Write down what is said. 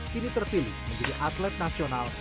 kini terpilih menjadi atlet nasional